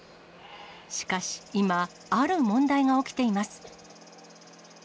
しかし今、ある問題が起きています。